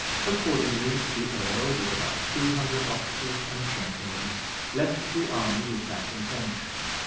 Accordingly the earl, with about two hundred officers and gentlemen, left the army with that intention.